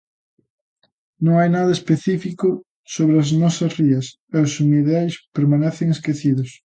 Non hai nada específico sobre as nosas rías, e os humidais permanecen esquecidos.